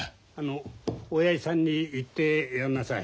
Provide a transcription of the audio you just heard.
オヤジさんに言ってやんなさい。